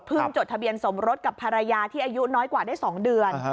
จดทะเบียนสมรสกับภรรยาที่อายุน้อยกว่าได้๒เดือน